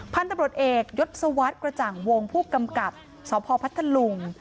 พันธุ์ตำรวจเอกยศวรรษกระจ่างวงผู้กำกับสพพัทธลุง